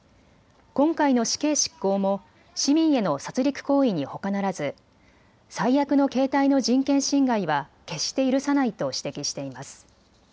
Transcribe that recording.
今回の死刑執行も市民への殺りく行為にほかならず最悪の形態の人権侵害は決して許さないと指摘しています。